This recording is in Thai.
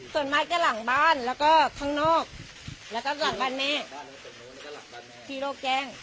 ส่วนมากก็หลังบ้านแล้วก็ข้างนอกแล้วก็หลังบ้านแม่